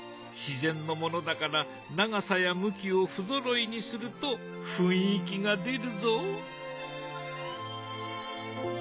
自然のものだから長さや向きを不ぞろいにすると雰囲気が出るぞ。